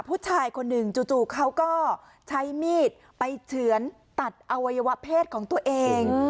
ผู้ชายคนหนึ่งจู่เขาก็ใช้มีดไปเฉือนตัดอวัยวะเพศของตัวเอง